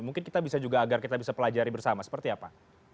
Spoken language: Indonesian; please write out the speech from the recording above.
mungkin kita bisa juga agar kita bisa pelajari bersama seperti apa